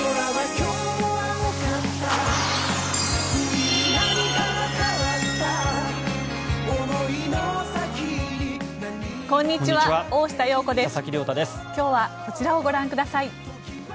今日はこちらをご覧ください。